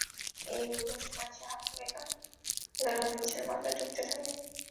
এই দীর্ঘ সময়ে সে হাতুড়ি দ্বারা নিজের মাথা ঠুকাতে থাকে।